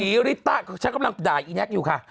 ริต้าฉันกำลังด่าอีแน็กอยู่ค่ะ